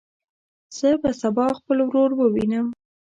زه به سبا خپل ورور ووینم.